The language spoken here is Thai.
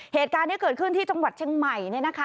เหตุการณ์นี้เกิดขึ้นที่จังหวัดเชียงใหม่เนี่ยนะคะ